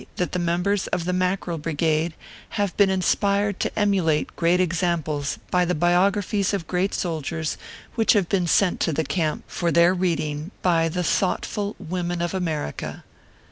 297 that the members of the Mackerel Brigade have been inspired to emulate great examples by the biographies of great soldiers which have been sent to the camp for their reading by the thoughtful women of America.